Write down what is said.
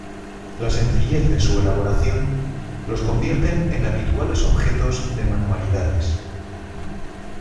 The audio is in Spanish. La sencillez de su elaboración, los convierten en habituales objetos de manualidades.